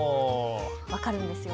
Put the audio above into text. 分かるんですよ。